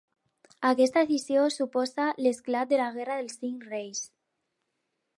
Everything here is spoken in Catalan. Aquesta decisió suposa l'esclat de la Guerra dels Cinc Reis.